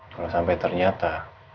kalau sampai ternyata